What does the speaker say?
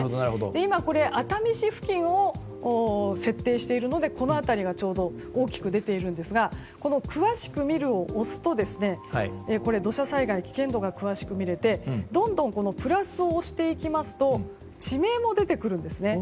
今、熱海市付近を設定しているのでこの辺りがちょうど大きく出ているんですが詳しく見るを押すと土砂災害危険度が詳しく見れてどんどんプラスを押していきますと地名も出てくるんですね。